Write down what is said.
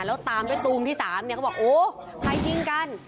แล้วตามด้วยตูมที่๓เนี่ยเขาบอกโอ้ใครยิงกัน